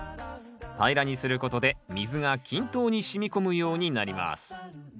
平らにすることで水が均等にしみ込むようになります